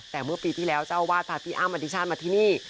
แต่เมื่อปีที่แล้วเจ้าอาวาสพาพี่อ้ำอธิชาติมาที่นี่